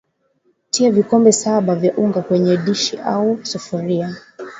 Tia vikombe saba vya unga kwenye dishi au sufuria